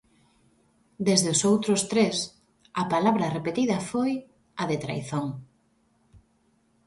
Desde os outros tres, a palabra repetida foi a de "traizón".